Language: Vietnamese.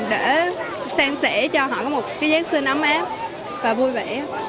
để sang sẻ cho họ một cái giáng sinh ấm áp và vui vẻ